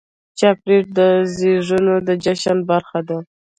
چاکلېټ د زیږون د جشن برخه ده.